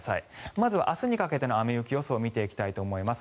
まずは明日にかけての雨・雪予想を見ていきます。